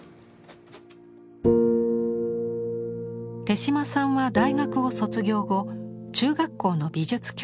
手島さんは大学を卒業後中学校の美術教師に。